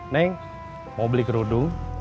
neng mau beli kerudung